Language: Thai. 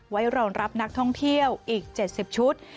ไว้รองรับนักท่องเที่ยวอีก๗๐ชุด